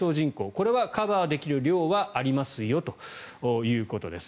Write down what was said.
これはカバーできる量はありますよということです。